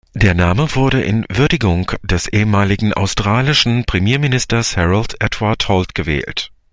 Der Name wurde in Würdigung des ehemaligen australischen Premierministers Harold Edward Holt gewählt.